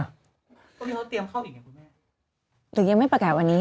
ตอนนี้เขาเตรียมเข้าอีกไงคุณแม่หรือยังไม่ประกาศวันนี้